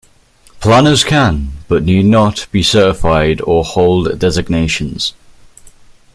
Planners can, but need not, be certified or hold designations.